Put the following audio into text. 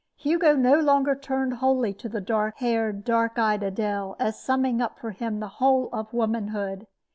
Hugo no longer turned wholly to the dark haired, dark eyed Adele as summing up for him the whole of womanhood.